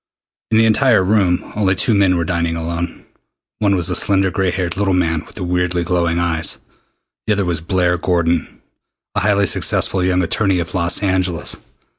In the entire room only two men were dining alone. One was the slender gray haired little man with the weirdly glowing eyes. The other was Blair Gordon, a highly successful young attorney of Los Angeles.